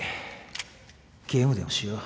ゲームでもしよう。